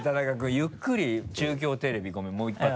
ゆっくり「中京テレビ」ごめんもう１発。